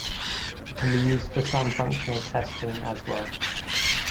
It can be used for some functional testing as well.